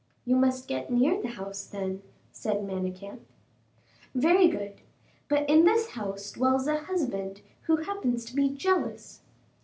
"You must get near the house, then," said Manicamp. "Very good; but in this house dwells a husband who happens to be jealous."